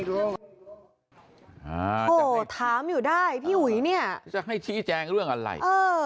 โอ้โหถามอยู่ได้พี่อุ๋ยเนี่ยจะให้ชี้แจงเรื่องอะไรเออ